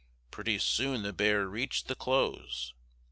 Pretty soon the bear reached the clothes.